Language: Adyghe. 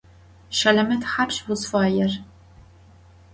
Şeleme thapşş vuzfaêr?